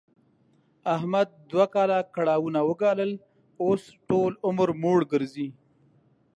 احمد دوه کاله کړاوونه و ګالل، اوس ټول عمر موړ ګرځي.